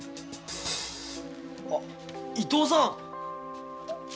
あ伊藤さん！